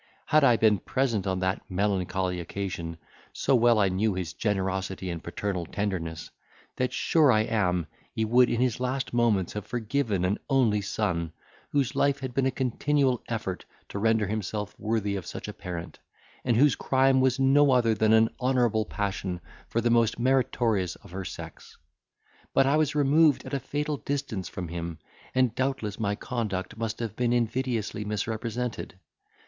Had I been present on that melancholy occasion, so well I knew his generosity and paternal tenderness, that, sure I am, he would in his last moments have forgiven an only son, whose life had been a continual effort to render himself worthy of such a parent, and whose crime was no other than an honourable passion for the most meritorious of her sex. But I was removed at a fatal distance from him, and doubtless my conduct must have been invidiously misrepresented.